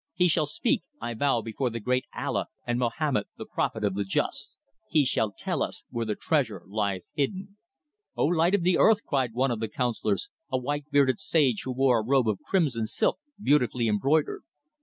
He shall speak, I vow before the great Allah and Mahomet, the Prophet of the Just. He shall tell us where the treasure lieth hidden." "O, light of the earth," cried one of the councillors, a white bearded sage who wore a robe of crimson silk beautifully embroidered.